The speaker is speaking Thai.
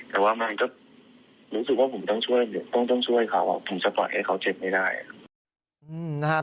แต่ว่ามันก็รู้สึกว่าผมต้องช่วยต้องช่วยเขาผมจะปล่อยให้เขาเจ็บไม่ได้